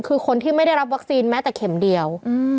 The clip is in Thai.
คือคนที่ไม่ได้รับวัคซีนแม้แต่เข็มเดียว